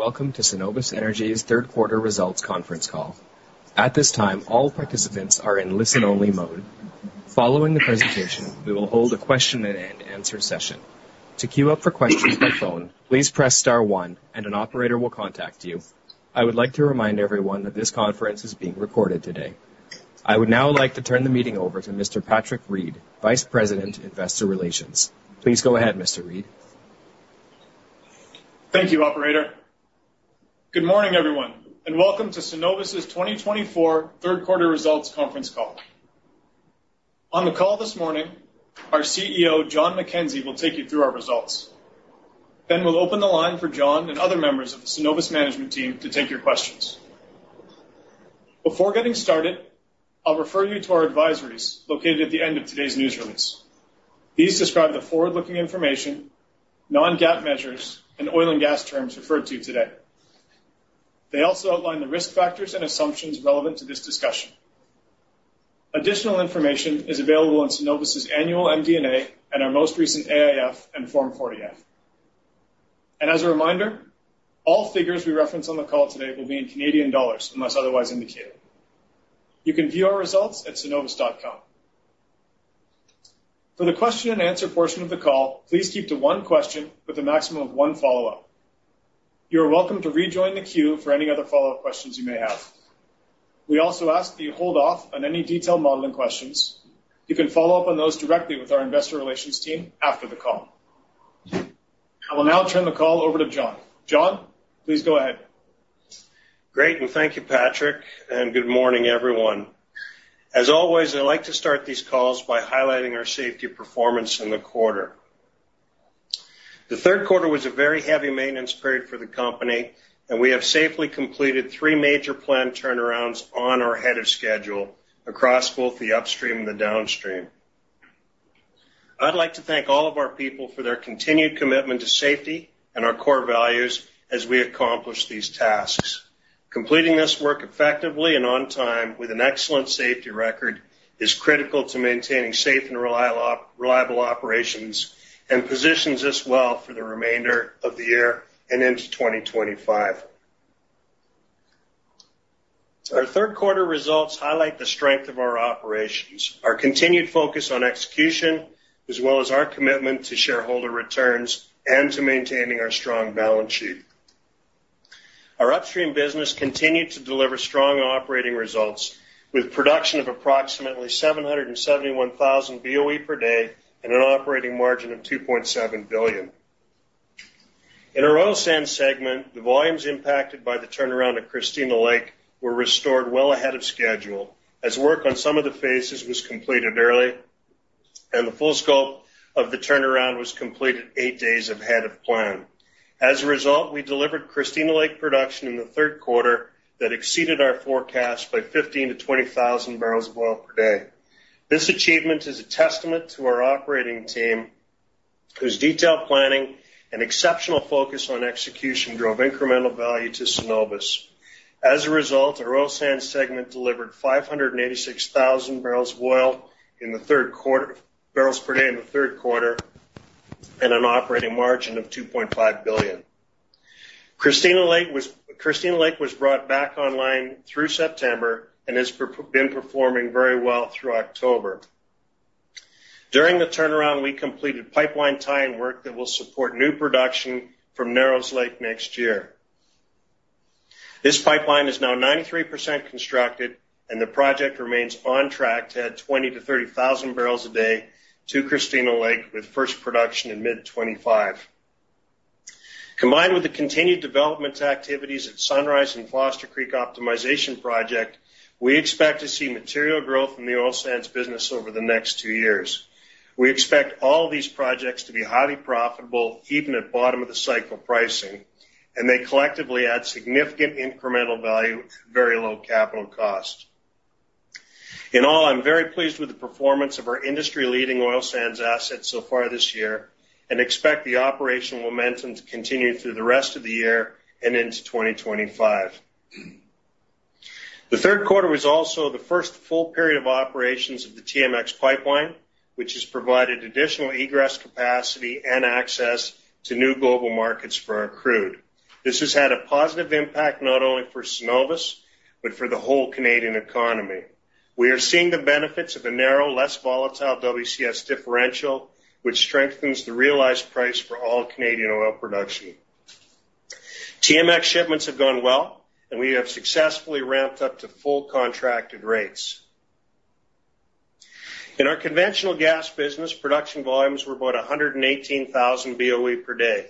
Welcome to Cenovus Energy's third quarter results conference call. At this time, all participants are in listen-only mode. Following the presentation, we will hold a question and answer session. To queue up for questions by phone, please press star one, and an operator will contact you. I would like to remind everyone that this conference is being recorded today. I would now like to turn the meeting over to Mr. Patrick Reed, Vice President, Investor Relations. Please go ahead, Mr. Reed. Thank you, Operator. Good morning, everyone, and welcome to Cenovus' 2024 third quarter results conference call. On the call this morning, our CEO, Jon McKenzie, will take you through our results. Then we'll open the line for Jon and other members of the Cenovus management team to take your questions. Before getting started, I'll refer you to our advisories located at the end of today's news release. These describe the forward-looking information, non-GAAP measures, and oil and gas terms referred to today. They also outline the risk factors and assumptions relevant to this discussion. Additional information is available in Cenovus' annual MD&A and our most recent AIF and Form 40F. And as a reminder, all figures we reference on the call today will be in Canadian dollars unless otherwise indicated. You can view our results at cenovus.com. For the question and answer portion of the call, please keep to one question with a maximum of one follow-up. You are welcome to rejoin the queue for any other follow-up questions you may have. We also ask that you hold off on any detailed modeling questions. You can follow up on those directly with our investor relations team after the call. I will now turn the call over to Jon. Jon, please go ahead. Great. Well, thank you, Patrick, and good morning, everyone. As always, I like to start these calls by highlighting our safety performance in the quarter. The third quarter was a very heavy maintenance period for the company, and we have safely completed three major planned turnarounds ahead of schedule across both the upstream and the downstream. I'd like to thank all of our people for their continued commitment to safety and our core values as we accomplish these tasks. Completing this work effectively and on time with an excellent safety record is critical to maintaining safe and reliable operations and positions us well for the remainder of the year and into 2025. Our third quarter results highlight the strength of our operations, our continued focus on execution, as well as our commitment to shareholder returns and to maintaining our strong balance sheet. Our upstream business continued to deliver strong operating results with production of approximately 771,000 BOE per day and an operating margin of 2.7 billion. In our oil sands segment, the volumes impacted by the turnaround at Christina Lake were restored well ahead of schedule as work on some of the phases was completed early, and the full scope of the turnaround was completed eight days ahead of plan. As a result, we delivered Christina Lake production in the third quarter that exceeded our forecast by 15-20 thousand barrels of oil per day. This achievement is a testament to our operating team whose detailed planning and exceptional focus on execution drove incremental value to Cenovus. As a result, our oil sands segment delivered 586,000 barrels of oil per day in the third quarter and an operating margin of 2.5 billion. Christina Lake was brought back online through September and has been performing very well through October. During the turnaround, we completed pipeline tying work that will support new production from Narrows Lake next year. This pipeline is now 93% constructed, and the project remains on track to add 20-30 thousand barrels a day to Christina Lake with first production in mid-2025. Combined with the continued development activities at Sunrise and Foster Creek Optimization Project, we expect to see material growth in the oil sands business over the next two years. We expect all of these projects to be highly profitable, even at bottom of the cycle pricing, and they collectively add significant incremental value at very low capital cost. In all, I'm very pleased with the performance of our industry-leading oil sands assets so far this year and expect the operational momentum to continue through the rest of the year and into 2025. The third quarter was also the first full period of operations of the TMX pipeline, which has provided additional egress capacity and access to new global markets for our crude. This has had a positive impact not only for Cenovus, but for the whole Canadian economy. We are seeing the benefits of a narrow, less volatile WCS differential, which strengthens the realized price for all Canadian oil production. TMX shipments have gone well, and we have successfully ramped up to full contracted rates. In our conventional gas business, production volumes were about 118,000 BOE per day.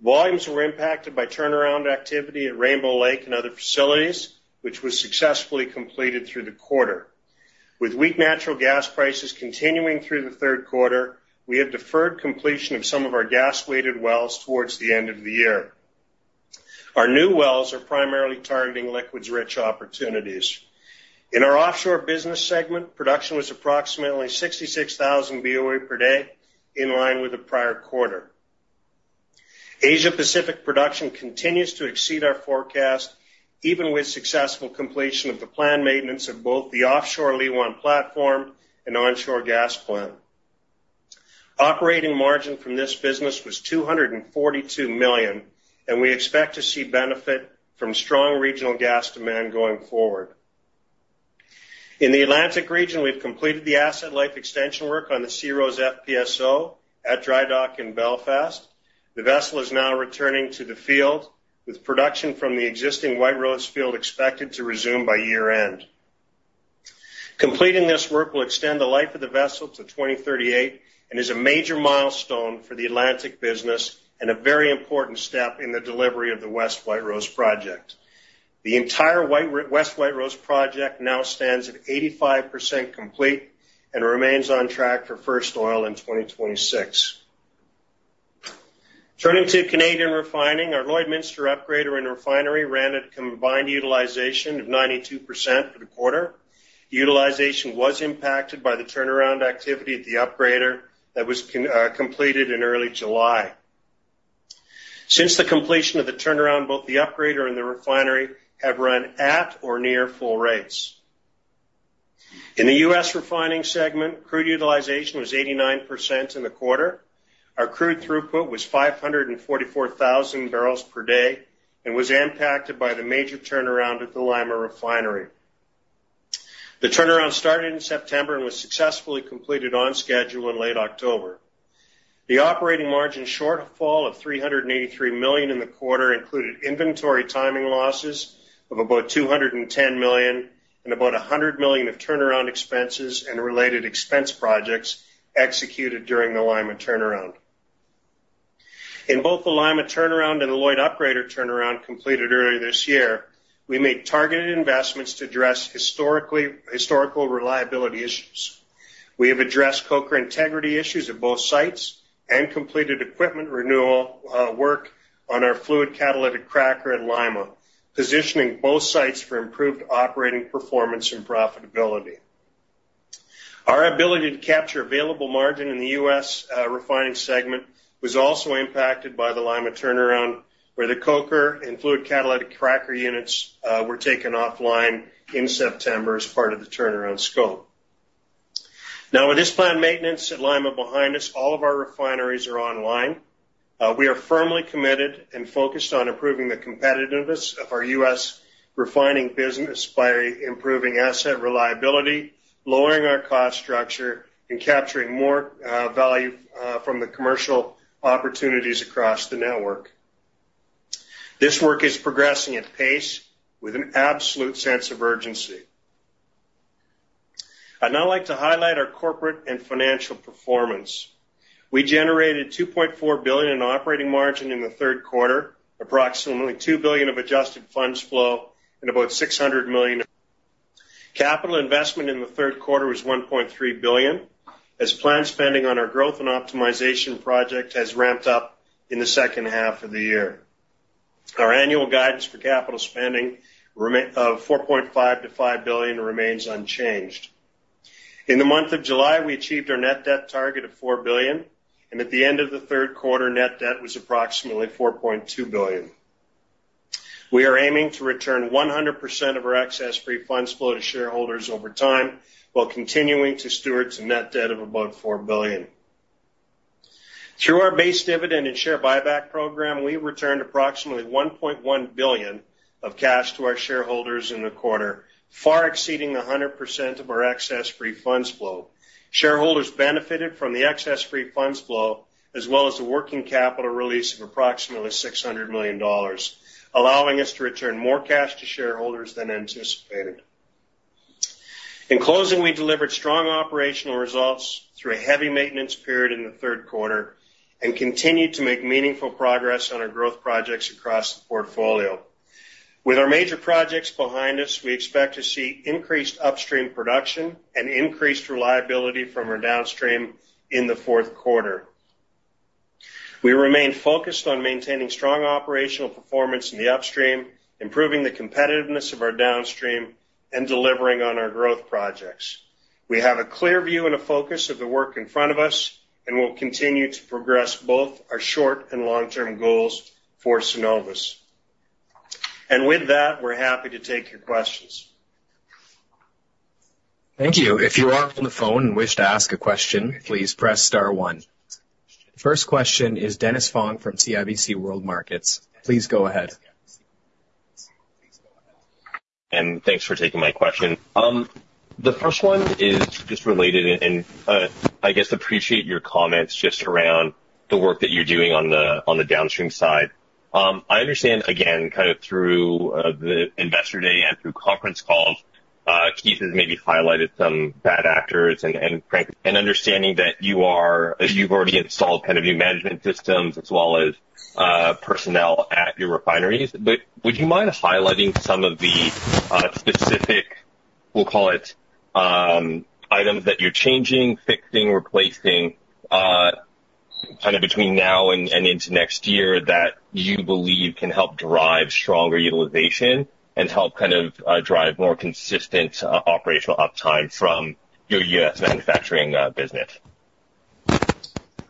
Volumes were impacted by turnaround activity at Rainbow Lake and other facilities, which was successfully completed through the quarter. With weak natural gas prices continuing through the third quarter, we have deferred completion of some of our gas-weighted wells towards the end of the year. Our new wells are primarily targeting liquids-rich opportunities. In our offshore business segment, production was approximately 66,000 BOE per day in line with the prior quarter. Asia-Pacific production continues to exceed our forecast, even with successful completion of the planned maintenance of both the offshore Liwan platform and onshore gas plant. Operating margin from this business was 242 million, and we expect to see benefit from strong regional gas demand going forward. In the Atlantic region, we've completed the asset life extension work on the SeaRose FPSO at dry dock in Belfast. The vessel is now returning to the field, with production from the existing White Rose field expected to resume by year-end. Completing this work will extend the life of the vessel to 2038 and is a major milestone for the Atlantic business and a very important step in the delivery of the West White Rose project. The entire West White Rose project now stands at 85% complete and remains on track for first oil in 2026. Turning to Canadian refining, our Lloydminster Upgrader and refinery ran at combined utilization of 92% for the quarter. Utilization was impacted by the turnaround activity at the upgrader that was completed in early July. Since the completion of the turnaround, both the upgrader and the refinery have run at or near full rates. In the U.S. refining segment, crude utilization was 89% in the quarter. Our crude throughput was 544,000 barrels per day and was impacted by the major turnaround at the Lima refinery. The turnaround started in September and was successfully completed on schedule in late October. The operating margin shortfall of 383 million in the quarter included inventory timing losses of about 210 million and about 100 million of turnaround expenses and related expense projects executed during the Lima turnaround. In both the Lima turnaround and the Lloyd Upgrader turnaround completed earlier this year, we made targeted investments to address historical reliability issues. We have addressed coker integrity issues at both sites and completed equipment renewal work on our fluid catalytic cracker in Lima, positioning both sites for improved operating performance and profitability. Our ability to capture available margin in the U.S. refining segment was also impacted by the Lima turnaround, where the coker and fluid catalytic cracker units were taken offline in September as part of the turnaround scope. Now, with this planned maintenance at Lima behind us, all of our refineries are online. We are firmly committed and focused on improving the competitiveness of our U.S. refining business by improving asset reliability, lowering our cost structure, and capturing more value from the commercial opportunities across the network. This work is progressing at pace with an absolute sense of urgency. I'd now like to highlight our corporate and financial performance. We generated 2.4 billion in operating margin in the third quarter, approximately 2 billion of adjusted funds flow, and about 600 million. Capital investment in the third quarter was 1.3 billion, as planned spending on our growth and optimization project has ramped up in the second half of the year. Our annual guidance for capital spending of 4.5-5 billion remains unchanged. In the month of July, we achieved our net debt target of 4 billion, and at the end of the third quarter, net debt was approximately 4.2 billion. We are aiming to return 100% of our excess free funds flow to shareholders over time while continuing to steward some net debt of about 4 billion. Through our base dividend and share buyback program, we returned approximately 1.1 billion of cash to our shareholders in the quarter, far exceeding 100% of our excess free funds flow. Shareholders benefited from the excess free funds flow, as well as the working capital release of approximately 600 million dollars, allowing us to return more cash to shareholders than anticipated. In closing, we delivered strong operational results through a heavy maintenance period in the third quarter and continued to make meaningful progress on our growth projects across the portfolio. With our major projects behind us, we expect to see increased upstream production and increased reliability from our downstream in the fourth quarter. We remain focused on maintaining strong operational performance in the upstream, improving the competitiveness of our downstream, and delivering on our growth projects. We have a clear view and a focus of the work in front of us, and we'll continue to progress both our short and long-term goals for Cenovus. And with that, we're happy to take your questions. Thank you. If you are on the phone and wish to ask a question, please press star one. First question is Dennis Fong from CIBC World Markets. Please go ahead. Thanks for taking my question. The first one is just related, and I guess appreciate your comments just around the work that you're doing on the downstream side. I understand, again, kind of through the investor day and through conference calls, Keith has maybe highlighted some bad actors and understanding that you've already installed kind of new management systems as well as personnel at your refineries. But would you mind highlighting some of the specific, we'll call it, items that you're changing, fixing, replacing kind of between now and into next year that you believe can help drive stronger utilization and help kind of drive more consistent operational uptime from your U.S. manufacturing business?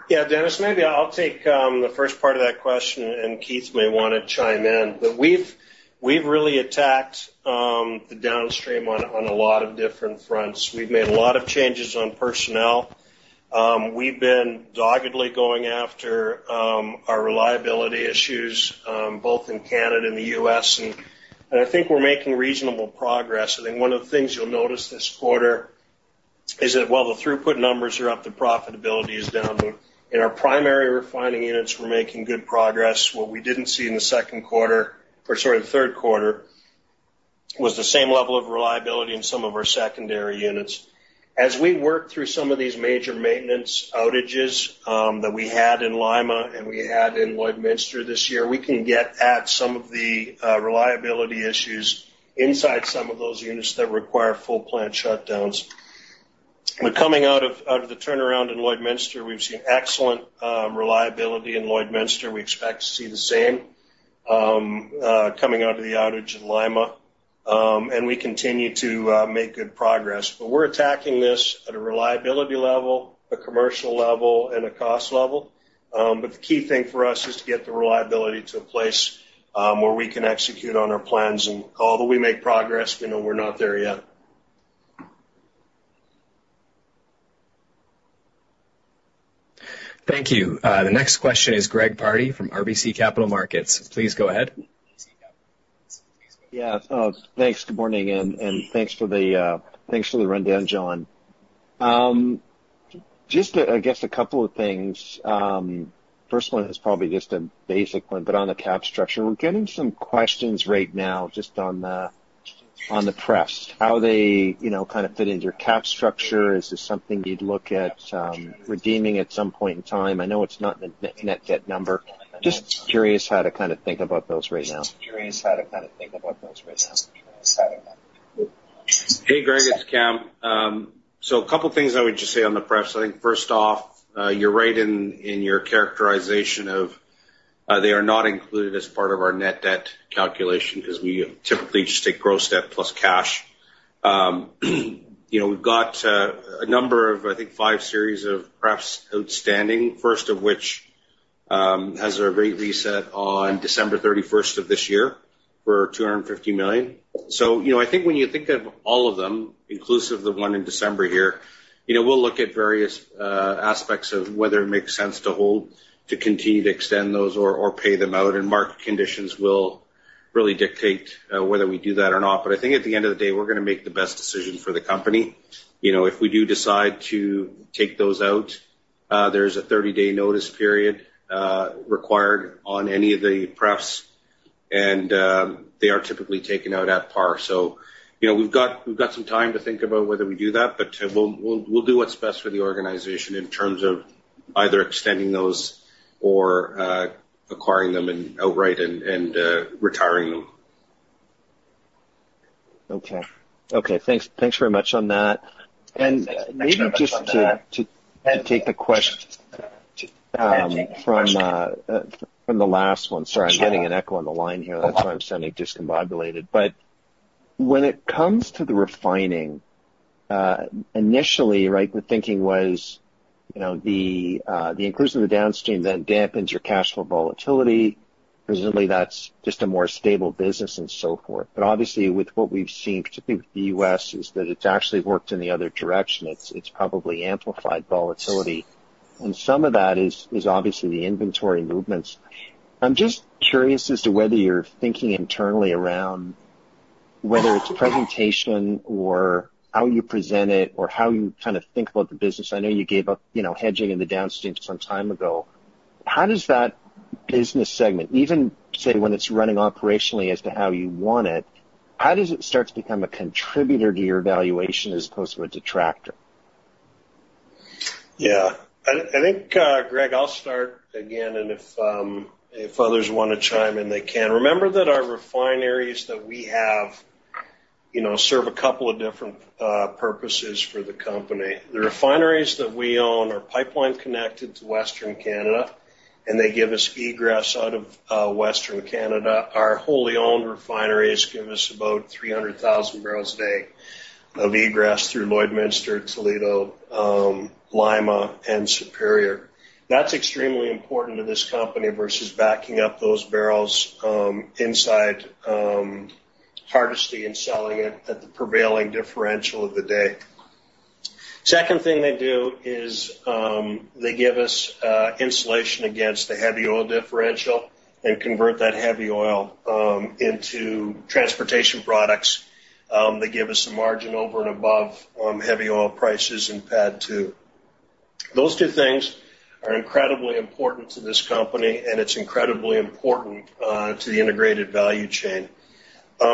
Yeah, Dennis, maybe I'll take the first part of that question, and Keith may want to chime in. But we've really attacked the downstream on a lot of different fronts. We've made a lot of changes on personnel. We've been doggedly going after our reliability issues both in Canada and the U.S. And I think we're making reasonable progress. I think one of the things you'll notice this quarter is that while the throughput numbers are up, the profitability is down. In our primary refining units, we're making good progress. What we didn't see in the second quarter, or sorry, the third quarter, was the same level of reliability in some of our secondary units. As we work through some of these major maintenance outages that we had in Lima and we had in Lloydminster this year, we can get at some of the reliability issues inside some of those units that require full plant shutdowns. But coming out of the turnaround in Lloydminster, we've seen excellent reliability in Lloydminster. We expect to see the same coming out of the outage in Lima. And we continue to make good progress. But we're attacking this at a reliability level, a commercial level, and a cost level. But the key thing for us is to get the reliability to a place where we can execute on our plans. And although we make progress, we know we're not there yet. Thank you. The next question is Greg Pardy from RBC Capital Markets. Please go ahead. Yeah, thanks. Good morning. And thanks for the rundown, Jon. Just, I guess, a couple of things. First one is probably just a basic one, but on the cap structure. We're getting some questions right now just on the prefs. How they kind of fit into your cap structure? Is this something you'd look at redeeming at some point in time? I know it's not in the net debt number. Just curious how to kind of think about those right now. Hey, Greg. It's Kam. So a couple of things I would just say on the preferred shares. I think first off, you're right in your characterization of they are not included as part of our net debt calculation because we typically just take gross debt plus cash. We've got a number of, I think, five series of preferreds outstanding, first of which has a rate reset on December 31st of this year for 250 million. So I think when you think of all of them, inclusive of the one in December here, we'll look at various aspects of whether it makes sense to hold, to continue to extend those, or pay them out. And market conditions will really dictate whether we do that or not. But I think at the end of the day, we're going to make the best decision for the company. If we do decide to take those out, there's a 30-day notice period required on any of the preferred shares, and they are typically taken out at par. So we've got some time to think about whether we do that, but we'll do what's best for the organization in terms of either extending those or acquiring them outright and retiring them. Okay. Okay. Thanks very much on that, and maybe just to take the question from the last one. Sorry, I'm getting an echo on the line here. That's why I'm sounding discombobulated, but when it comes to the refining, initially, right, the thinking was the increase in the downstream then dampens your cash flow volatility. Presumably, that's just a more stable business and so forth, but obviously, with what we've seen, particularly with the U.S., is that it's actually worked in the other direction. It's probably amplified volatility, and some of that is obviously the inventory movements. I'm just curious as to whether you're thinking internally around whether it's presentation or how you present it or how you kind of think about the business. I know you gave up hedging in the downstream some time ago. How does that business segment, even say when it's running operationally as to how you want it, how does it start to become a contributor to your valuation as opposed to a detractor? Yeah. I think, Greg, I'll start again, and if others want to chime in, they can. Remember that our refineries that we have serve a couple of different purposes for the company. The refineries that we own are pipeline connected to Western Canada, and they give us egress out of Western Canada. Our wholly owned refineries give us about 300,000 barrels a day of egress through Lloydminster, Toledo, Lima, and Superior. That's extremely important to this company versus backing up those barrels inside Hardisty and selling it at the prevailing differential of the day. Second thing they do is they give us insulation against the heavy oil differential and convert that heavy oil into transportation products. They give us a margin over and above heavy oil prices in PADD 2. Those two things are incredibly important to this company, and it's incredibly important to the integrated value chain.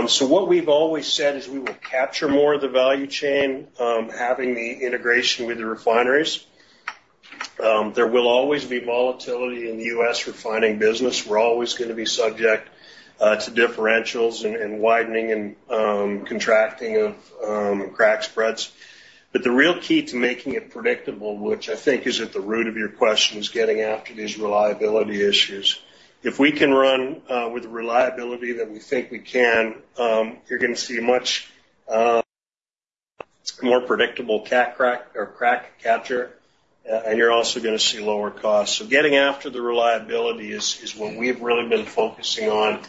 So what we've always said is we will capture more of the value chain having the integration with the refineries. There will always be volatility in the U.S. refining business. We're always going to be subject to differentials and widening and contracting of crack spreads. But the real key to making it predictable, which I think is at the root of your question, is getting after these reliability issues. If we can run with the reliability that we think we can, you're going to see much more predictable crack spread, and you're also going to see lower costs. So getting after the reliability is what we've really been focusing on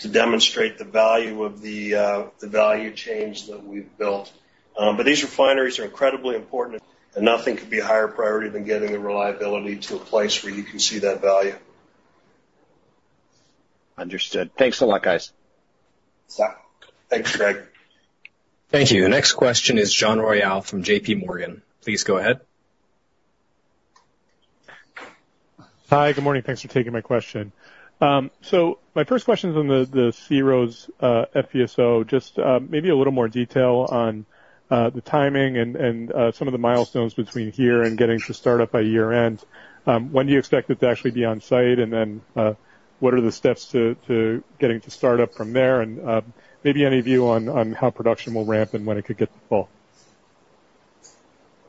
to demonstrate the value of the value chains that we've built. But these refineries are incredibly important. And nothing could be a higher priority than getting the reliability to a place where you can see that value. Understood. Thanks a lot, guys. Thanks, Greg. Thank you. Next question is John Royall from J.P. Morgan. Please go ahead. Hi, good morning. Thanks for taking my question. So my first question is on the SeaRose's FPSO, just maybe a little more detail on the timing and some of the milestones between here and getting to start up by year-end. When do you expect it to actually be on-site, and then what are the steps to getting to start up from there, and maybe any view on how production will ramp and when it could get to full?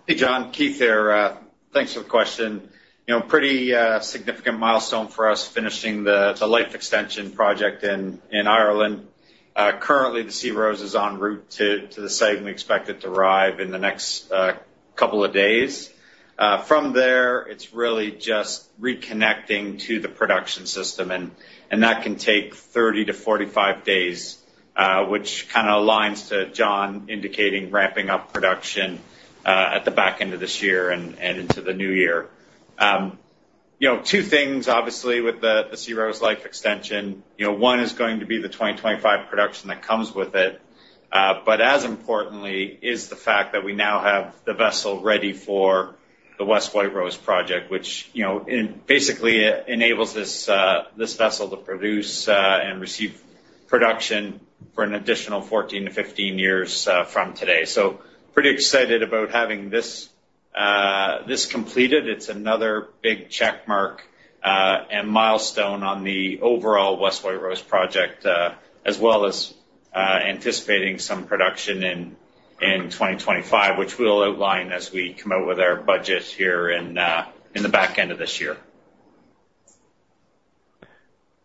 Hey, John. Keith here. Thanks for the question. Pretty significant milestone for us finishing the life extension project in Ireland. Currently, the SeaRose is en route to the site. We expect it to arrive in the next couple of days. From there, it's really just reconnecting to the production system, and that can take 30 to 45 days, which kind of aligns to Jon indicating ramping up production at the back end of this year and into the new year. Two things, obviously, with the SeaRose life extension. One is going to be the 2025 production that comes with it, but as importantly is the fact that we now have the vessel ready for the West White Rose project, which basically enables this vessel to produce and receive production for an additional 14 to 15 years from today. We are pretty excited about having this completed. It's another big checkmark and milestone on the overall West White Rose project, as well as anticipating some production in 2025, which we'll outline as we come out with our budget here in the back end of this year.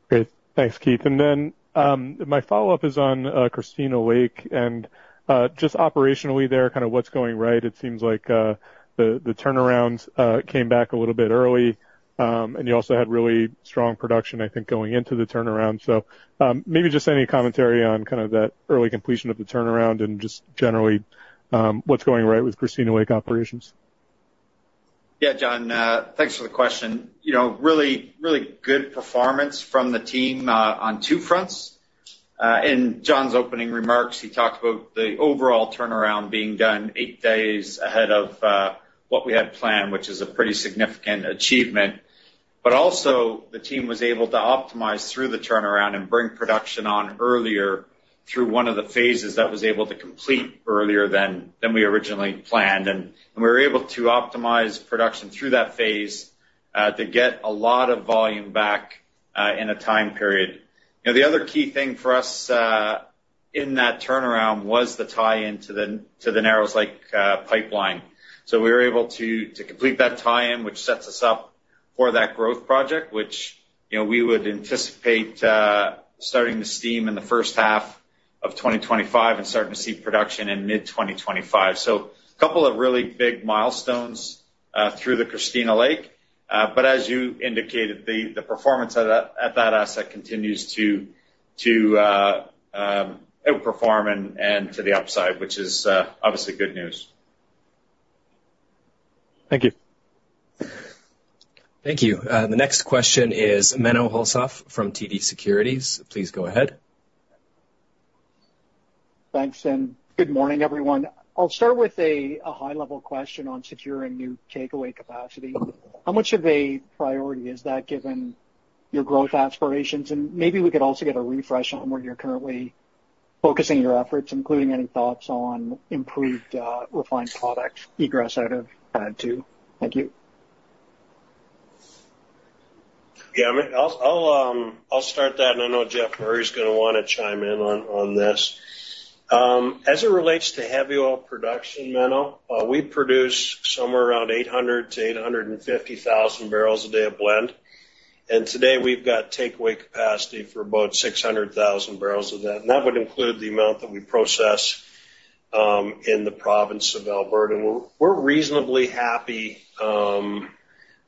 Great. Thanks, Keith. And then my follow-up is on Christina Lake. And just operationally there, kind of what's going right? It seems like the turnaround came back a little bit early, and you also had really strong production, I think, going into the turnaround. So maybe just any commentary on kind of that early completion of the turnaround and just generally what's going right with Christina Lake operations? Yeah, John. Thanks for the question. Really, really good performance from the team on two fronts. In Jon's opening remarks, he talked about the overall turnaround being done eight days ahead of what we had planned, which is a pretty significant achievement. But also, the team was able to optimize through the turnaround and bring production on earlier through one of the phases that was able to complete earlier than we originally planned. And we were able to optimize production through that phase to get a lot of volume back in a time period. The other key thing for us in that turnaround was the tie-in to the Narrows Lake pipeline. So we were able to complete that tie-in, which sets us up for that growth project, which we would anticipate starting to steam in the first half of 2025 and starting to see production in mid-2025. So a couple of really big milestones through the Christina Lake. But as you indicated, the performance at that asset continues to outperform and to the upside, which is obviously good news. Thank you. Thank you. The next question is Menno Hulshof from TD Securities. Please go ahead. Thanks, Jon. Good morning, everyone. I'll start with a high-level question on securing new takeaway capacity. How much of a priority is that given your growth aspirations? And maybe we could also get a refresh on where you're currently focusing your efforts, including any thoughts on improved refined products. Egress out of PADD 2. Thank you. Yeah, I'll start that, and I know Geoff Murray is going to want to chime in on this. As it relates to heavy oil production, Menno, we produce somewhere around 800-850,000 barrels a day of blend, and today, we've got takeaway capacity for about 600,000 barrels of that, and that would include the amount that we process in the province of Alberta, and we're reasonably happy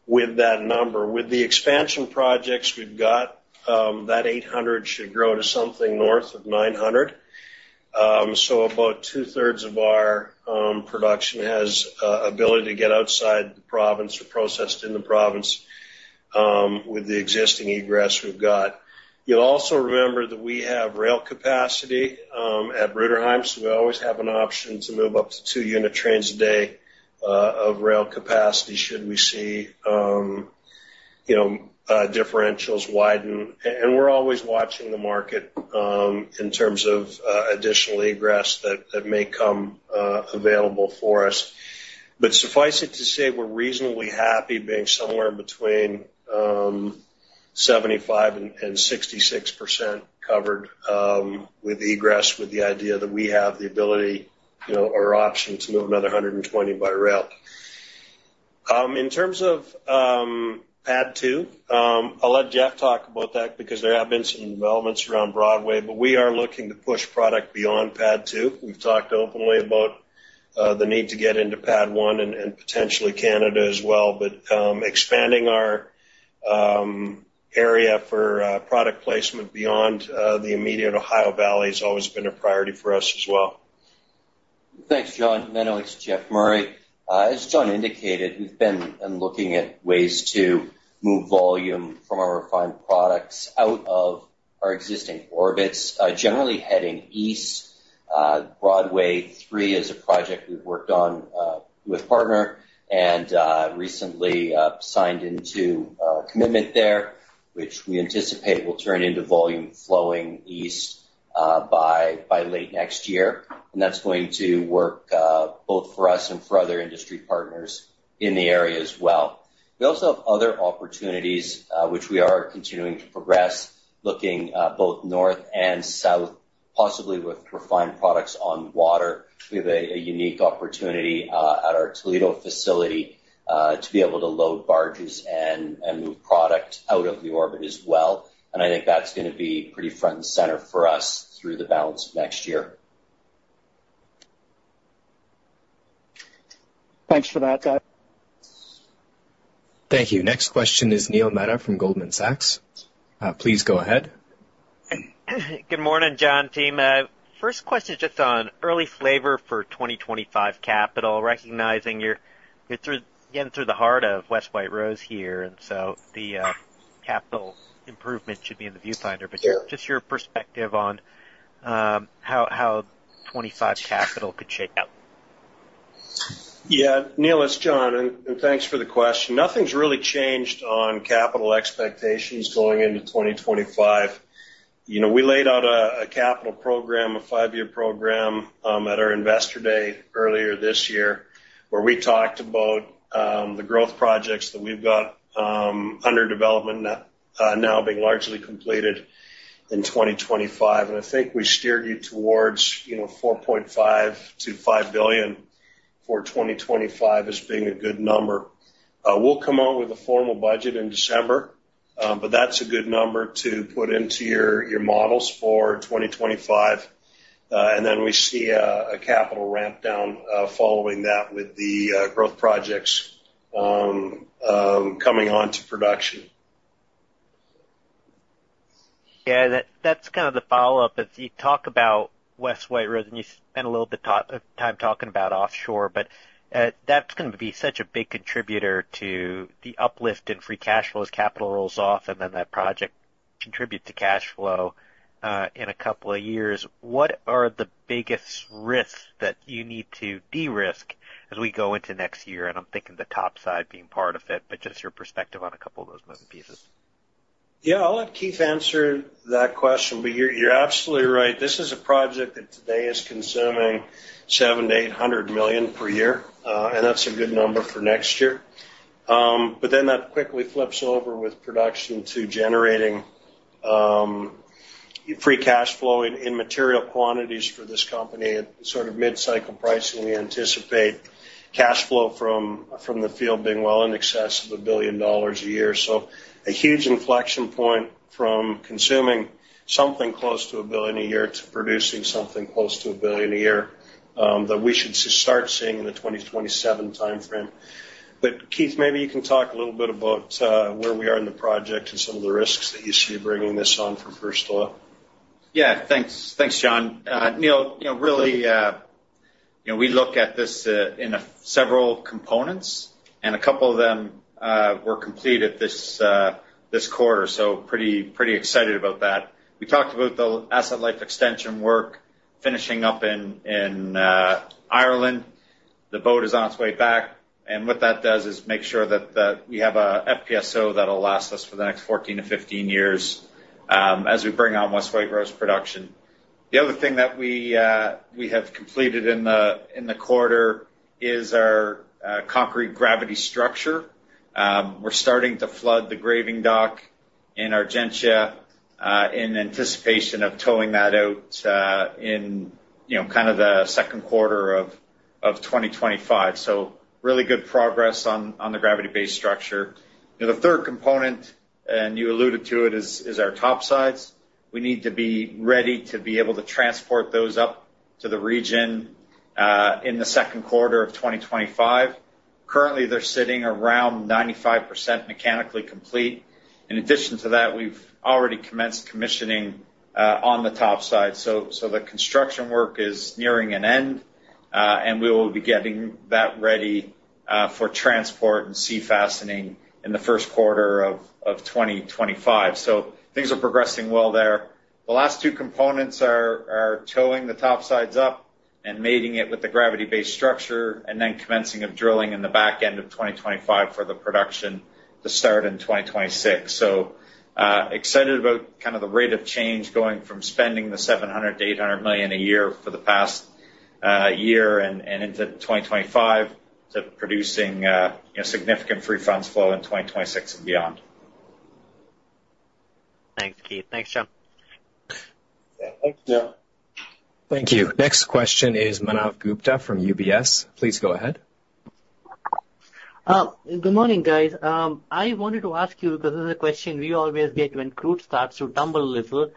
with that number. With the expansion projects we've got, that 800 should grow to something north of 900, so about two-thirds of our production has the ability to get outside the province or processed in the province with the existing egress we've got. You'll also remember that we have rail capacity at Bruderheim, so we always have an option to move up to two-unit trains a day of rail capacity should we see differentials widen. We’re always watching the market in terms of additional egress that may come available for us. But suffice it to say, we’re reasonably happy being somewhere between 75% and 66% covered with egress with the idea that we have the ability or option to move another 120 by rail. In terms of PADD 2, I’ll let Jeff talk about that because there have been some developments around Broadway, but we are looking to push product beyond PADD 2. We’ve talked openly about the need to get into PADD 1 and potentially Canada as well. But expanding our area for product placement beyond the immediate Ohio Valley has always been a priority for us as well. Thanks, Jon, and then I'll ask Geoff Murray. As Jon indicated, we've been looking at ways to move volume from our refined products out of our existing orbits, generally heading east. Broadway3 is a project we've worked on with partner and recently signed into commitment there, which we anticipate will turn into volume flowing east by late next year. And that's going to work both for us and for other industry partners in the area as well. We also have other opportunities, which we are continuing to progress, looking both north and south, possibly with refined products on water. We have a unique opportunity at our Toledo facility to be able to load barges and move product out of the orbit as well. And I think that's going to be pretty front and center for us through the balance of next year. Thanks for that. Thank you. Next question is Neil Mehta from Goldman Sachs. Please go ahead. Good morning, Jon, team. First question just on early flavor for 2025 capital, recognizing you're in through the heart of West White Rose here. And so the capital improvement should be in the viewfinder, but just your perspective on how 25 capital could shake out. Yeah, Neil, it's Jon, and thanks for the question. Nothing's really changed on capital expectations going into 2025. We laid out a capital program, a five-year program at our investor day earlier this year, where we talked about the growth projects that we've got under development now being largely completed in 2025. And I think we steered you towards 4.5 billion-5 billion for 2025 as being a good number. We'll come out with a formal budget in December, but that's a good number to put into your models for 2025. And then we see a capital ramp down following that with the growth projects coming on to production. Yeah, that's kind of the follow-up. You talk about West White Rose, and you spent a little bit of time talking about offshore, but that's going to be such a big contributor to the uplift in free cash flow as capital rolls off, and then that project contributes to cash flow in a couple of years. What are the biggest risks that you need to de-risk as we go into next year? And I'm thinking the top side being part of it, but just your perspective on a couple of those moving pieces. Yeah, I'll let Keith answer that question, but you're absolutely right. This is a project that today is consuming $700 million-$800 million per year, and that's a good number for next year. But then that quickly flips over with production to generating free cash flow in material quantities for this company at sort of mid-cycle pricing. We anticipate cash flow from the field being well in excess of $1 billion a year. So a huge inflection point from consuming something close to $1 billion a year to producing something close to $1 billion a year that we should start seeing in the 2027 timeframe. But Keith, maybe you can talk a little bit about where we are in the project and some of the risks that you see bringing this on for First Oil. Yeah, thanks, Jon. Neil, really, we look at this in several components, and a couple of them were completed this quarter, so pretty excited about that. We talked about the asset life extension work finishing up in Ireland. The boat is on its way back, and what that does is make sure that we have an FPSO that'll last us for the next 14-15 years as we bring on West White Rose production. The other thing that we have completed in the quarter is our concrete gravity structure. We're starting to flood the graving dock in Argentia in anticipation of towing that out in kind of the second quarter of 2025, so really good progress on the gravity-based structure. The third component, and you alluded to it, is our topsides. We need to be ready to be able to transport those up to the region in the second quarter of 2025. Currently, they're sitting around 95% mechanically complete. In addition to that, we've already commenced commissioning on the top side, so the construction work is nearing an end, and we will be getting that ready for transport and sea fastening in the first quarter of 2025, so things are progressing well there. The last two components are towing the top sides up and mating it with the gravity-based structure, and then commencing of drilling in the back end of 2025 for the production to start in 2026, so excited about kind of the rate of change going from spending 700 million-800 million a year for the past year and into 2025 to producing significant free funds flow in 2026 and beyond. Thanks, Keith. Thanks, Jon. Yeah, thanks, Neil. Thank you. Next question is Manav Gupta from UBS. Please go ahead. Good morning, guys. I wanted to ask you because this is a question we always get when crude starts to tumble a little.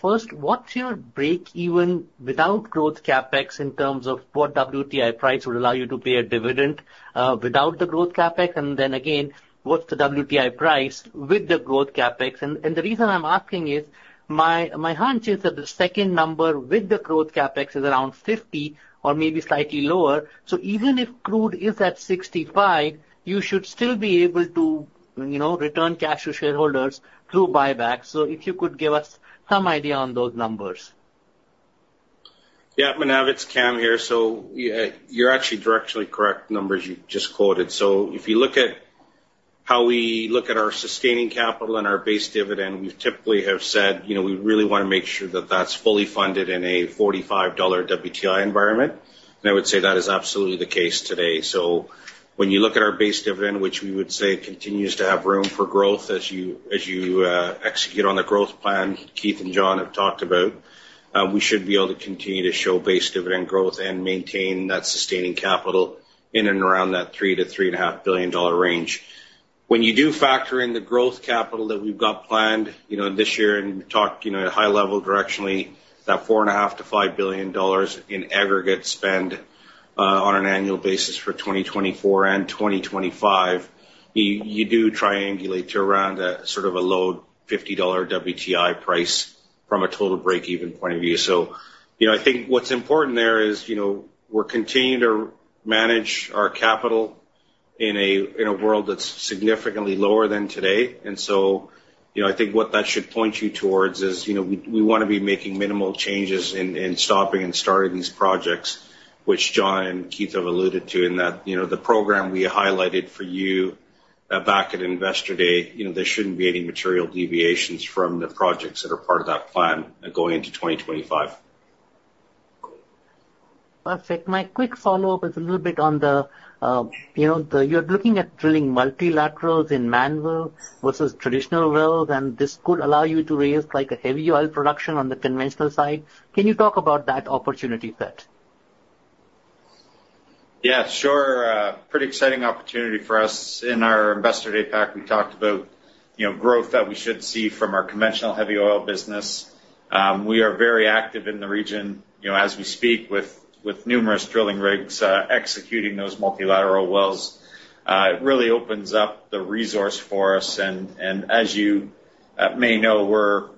First, what's your break-even without growth CapEx in terms of what WTI price would allow you to pay a dividend without the growth CapEx? And then again, what's the WTI price with the growth CapEx? And the reason I'm asking is my hunch is that the second number with the growth CapEx is around 50 or maybe slightly lower. So even if crude is at 65, you should still be able to return cash to shareholders through buyback. So if you could give us some idea on those numbers. Yeah, Manav Gupta, it's Kam here. So you're actually directly correct with the numbers you just quoted. So if you look at how we look at our sustaining capital and our base dividend, we typically have said we really want to make sure that that's fully funded in a $45 WTI environment. And I would say that is absolutely the case today. So when you look at our base dividend, which we would say continues to have room for growth as you execute on the growth plan, Keith and Jon have talked about, we should be able to continue to show base dividend growth and maintain that sustaining capital in and around that 3-3.5 billion dollar range. When you do factor in the growth capital that we've got planned this year and talk at a high level directionally, that $4.5 billion-$5 billion in aggregate spend on an annual basis for 2024 and 2025, you do triangulate to around sort of a low $50 WTI price from a total break-even point of view. So I think what's important there is we're continuing to manage our capital in a world that's significantly lower than today. And so I think what that should point you towards is we want to be making minimal changes in stopping and starting these projects, which Jon and Keith have alluded to in that the program we highlighted for you back at investor day, there shouldn't be any material deviations from the projects that are part of that plan going into 2025. Perfect. My quick follow-up is a little bit on that you're looking at drilling multilaterals in Mannville versus traditional wells, and this could allow you to raise a heavy oil production on the conventional side. Can you talk about that opportunity set? Yeah, sure. Pretty exciting opportunity for us. In our investor day pack, we talked about growth that we should see from our conventional heavy oil business. We are very active in the region as we speak with numerous drilling rigs executing those multilateral wells. It really opens up the resource for us, and as you may know, we're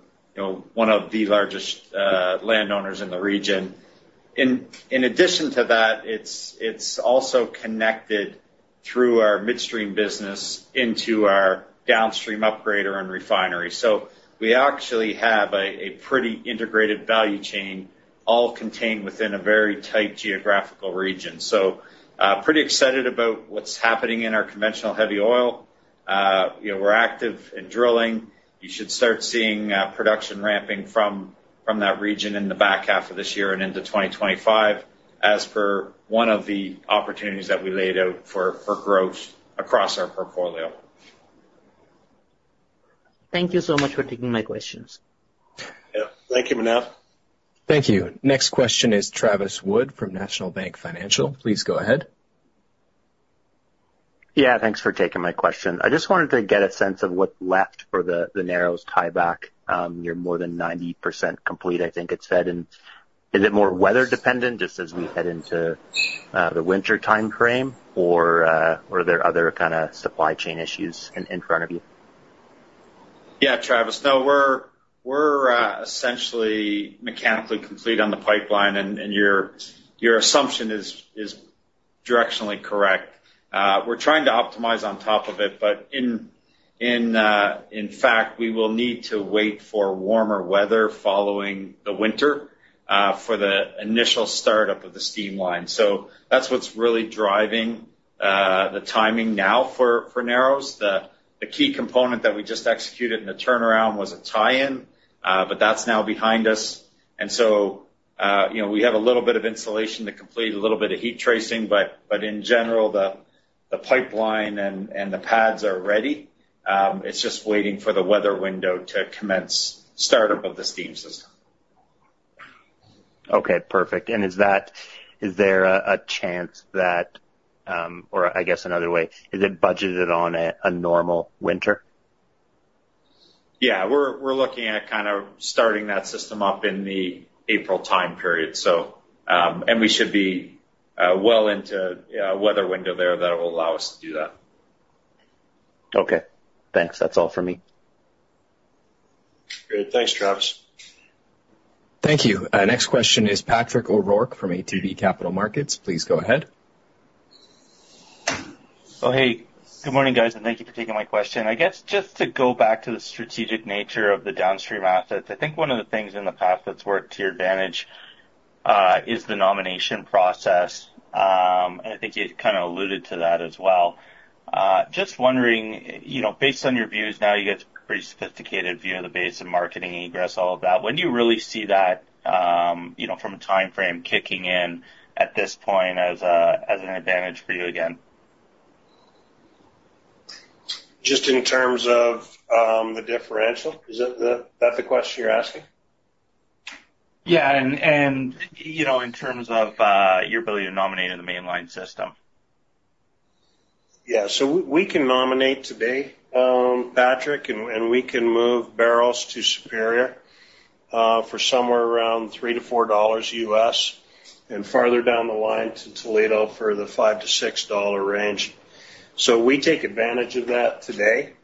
one of the largest landowners in the region. In addition to that, it's also connected through our midstream business into our downstream upgrader and refinery, so we actually have a pretty integrated value chain all contained within a very tight geographical region, so pretty excited about what's happening in our conventional heavy oil. We're active in drilling. You should start seeing production ramping from that region in the back half of this year and into 2025 as per one of the opportunities that we laid out for growth across our portfolio. Thank you so much for taking my questions. Yeah, thank you, Manav. Thank you. Next question is Travis Wood from National Bank Financial. Please go ahead. Yeah, thanks for taking my question. I just wanted to get a sense of what's left for the Narrows tieback. You're more than 90% complete, I think it said. And is it more weather dependent just as we head into the winter timeframe, or are there other kind of supply chain issues in front of you? Yeah, Travis. No, we're essentially mechanically complete on the pipeline, and your assumption is directionally correct. We're trying to optimize on top of it, but in fact, we will need to wait for warmer weather following the winter for the initial startup of the steam line. So that's what's really driving the timing now for Narrows. The key component that we just executed in the turnaround was a tie-in, but that's now behind us. And so we have a little bit of insulation to complete, a little bit of heat tracing, but in general, the pipeline and the pads are ready. It's just waiting for the weather window to commence startup of the steam system. Okay, perfect. And is there a chance that, or I guess another way, is it budgeted on a normal winter? Yeah, we're looking at kind of starting that system up in the April time period, and we should be well into a weather window there that will allow us to do that. Okay, thanks. That's all for me. Good. Thanks, Travis. Thank you. Next question is Patrick O'Rourke from ATB Capital Markets. Please go ahead. Oh, hey. Good morning, guys, and thank you for taking my question. I guess just to go back to the strategic nature of the downstream assets, I think one of the things in the past that's worked to your advantage is the nomination process, and I think you kind of alluded to that as well. Just wondering, based on your views, now you get a pretty sophisticated view of the base and marketing egress, all of that. When do you really see that from a timeframe kicking in at this point as an advantage for you again? Just in terms of the differential? Is that the question you're asking? Yeah, and in terms of your ability to nominate in the Mainline system. Yeah, so we can nominate today, Patrick, and we can move barrels to Superior for somewhere around $3-$4 US and farther down the line to Toledo for the $5-$6 range. So we take advantage of that today.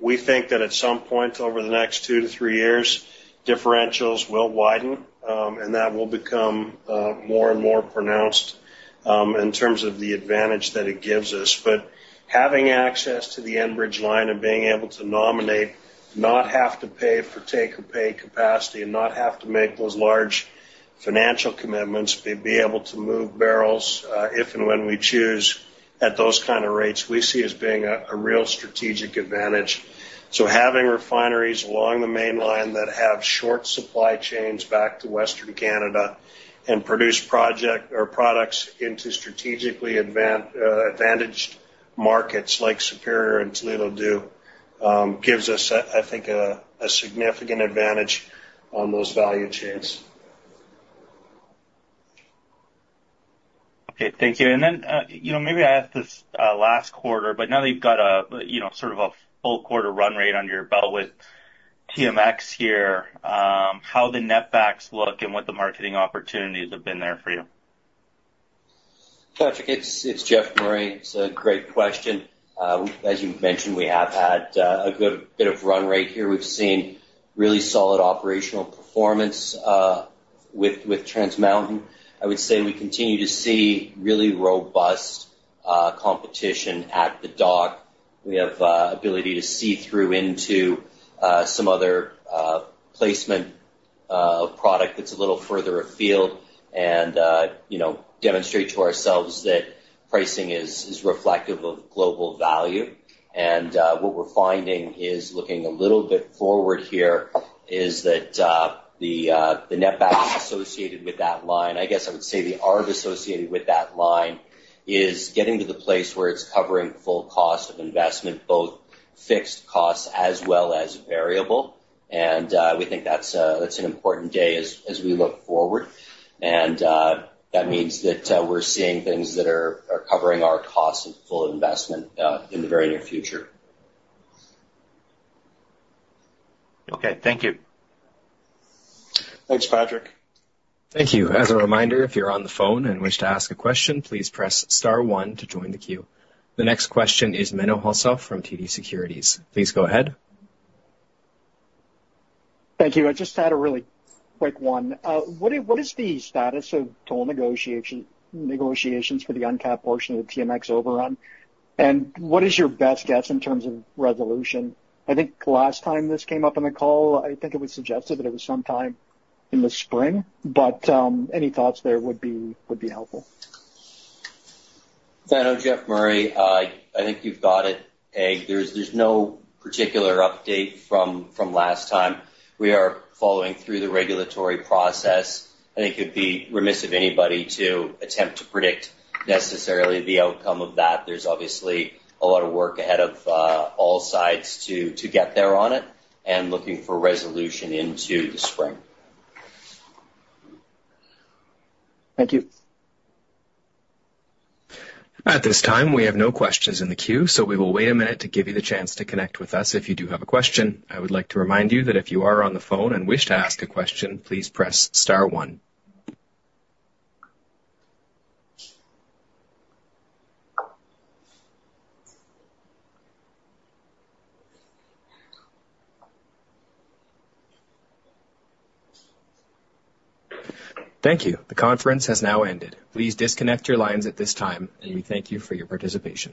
We think that at some point over the next two to three years, differentials will widen, and that will become more and more pronounced in terms of the advantage that it gives us. But having access to the Enbridge line and being able to nominate, not have to pay for take or pay capacity, and not have to make those large financial commitments, be able to move barrels if and when we choose at those kind of rates, we see as being a real strategic advantage. Having refineries along the Mainline that have short supply chains back to Western Canada and produce products into strategically advantaged markets like Superior and Toledo does give us, I think, a significant advantage on those value chains. Okay, thank you. And then maybe I asked this last quarter, but now that you've got sort of a full quarter run rate under your belt with TMX here, how the netbacks look and what the marketing opportunities have been there for you? Patrick, it's Geoff Murray. It's a great question. As you mentioned, we have had a good bit of run rate here. We've seen really solid operational performance with Trans Mountain. I would say we continue to see really robust competition at the dock. We have the ability to see through into some other placement of product that's a little further afield and demonstrate to ourselves that pricing is reflective of global value, and what we're finding is looking a little bit forward here is that the netbacks associated with that line, I guess I would say the arc associated with that line is getting to the place where it's covering full cost of investment, both fixed costs as well as variable, and we think that's an important day as we look forward. That means that we're seeing things that are covering our costs and full investment in the very near future. Okay, thank you. Thanks, Patrick. Thank you. As a reminder, if you're on the phone and wish to ask a question, please press star one to join the queue. The next question is Menno Hulshof from TD Securities. Please go ahead. Thank you. I just had a really quick one. What is the status of toll negotiations for the uncapped portion of the TMX overrun? And what is your best guess in terms of resolution? I think last time this came up on the call, I think it was suggested that it was sometime in the spring, but any thoughts there would be helpful. It's Geoff Murray. I think you've got it, eh. There's no particular update from last time. We are following through the regulatory process. I think it'd be remiss of anybody to attempt to predict necessarily the outcome of that. There's obviously a lot of work ahead of all sides to get there on it and looking for resolution into the spring. Thank you. At this time, we have no questions in the queue, so we will wait a minute to give you the chance to connect with us if you do have a question. I would like to remind you that if you are on the phone and wish to ask a question, please press star one. Thank you. The conference has now ended. Please disconnect your lines at this time, and we thank you for your participation.